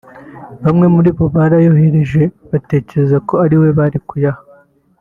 bamwe muri bo barayohereje batekereza ko ariwe bari kuyaha